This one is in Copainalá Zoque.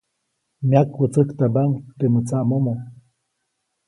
Myakwätsäktambaʼuŋ temäʼ tsaʼmomo.